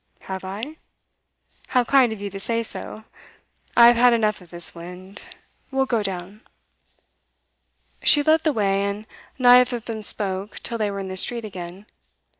'Have I? How kind of you to say so. I've had enough of this wind; we'll go down.' She led the way, and neither of them spoke till they were in the street again.